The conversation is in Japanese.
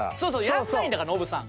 やらないんだからノブさん。